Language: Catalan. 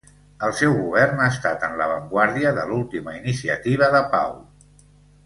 El seu govern ha estat en l'avantguarda de l'última iniciativa de pau.